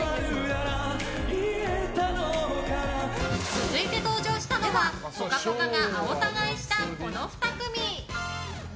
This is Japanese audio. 続いて登場したのは「ぽかぽか」が青田買いしたこの２組。